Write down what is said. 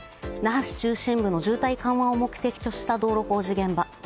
那覇市中心部の渋滞緩和を目的とした道路工事現場。